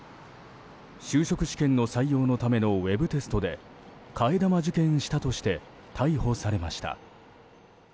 就職試験の採用のためのウェブテストで替え玉受験したとして逮捕されました。